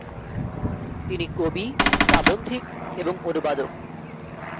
তিনি কবি, প্রাবন্ধিক এবং অনুবাদক।